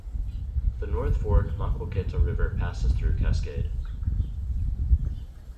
The North Fork Maquoketa River passes through Cascade.